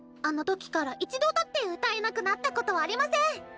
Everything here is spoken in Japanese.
あの時から一度だって歌えなくなったことはありません！